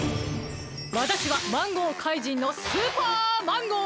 わたしはマンゴーかいじんのスーパーマンゴー！